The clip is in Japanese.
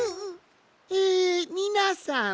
えみなさん！